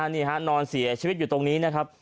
นี่ฮะนอนเสียชีวิตอยู่ตรงนี้นะครับ